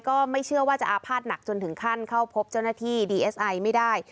ก็ไม่เชื่อว่าจะอาภาษณหนักจนถึงขั้นเข้าพบเจ้าหน้าที่ดีเอสไอไม่ได้